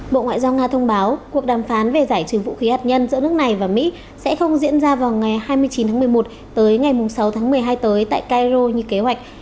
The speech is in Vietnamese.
bộ ngoại giao nga thông báo cuộc đàm phán về giải trừ vũ khí hạt nhân giữa nước này và mỹ sẽ không diễn ra vào ngày hai mươi chín tháng một mươi một tới ngày sáu tháng một mươi hai tới tại cairo như kế hoạch